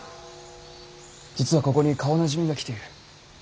実はここに顔なじみが来ている。